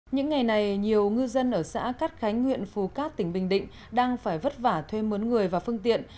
những ngày này nhiều ngư dân ở xã cát khánh huyện phú cát tỉnh bình định đang phải vất vả thuê mướn người và phương tiện